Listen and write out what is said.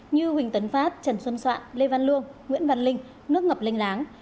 như huỳnh tấn phát trần xuân soạn lê văn luông nguyễn văn linh nước ngập lênh láng